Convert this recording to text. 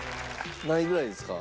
何位ぐらいですか？